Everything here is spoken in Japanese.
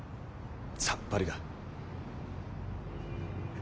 さっぱりだ。